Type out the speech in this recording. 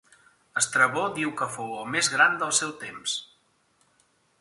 Estrabó diu que fou el més gran del seu temps.